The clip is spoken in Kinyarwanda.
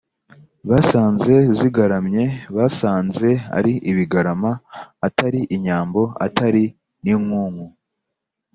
basanze zigaramye: basanze ari ibigarama; atari inyambo; atari n’inkuku;